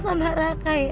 sama raka ya